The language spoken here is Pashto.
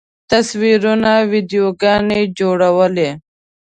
تصویرونه، ویډیوګانې جوړولی